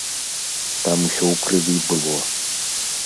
Там усё ў крыві было.